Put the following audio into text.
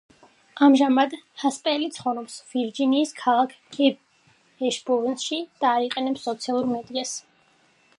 ამჟამად ჰასპელი ცხოვრობს ვირჯინიის ქალაქ ეშბურნში და არ იყენებს სოციალურ მედიას.